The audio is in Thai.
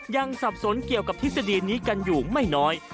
สับสนเกี่ยวกับทฤษฎีนี้กันอยู่ไม่น้อย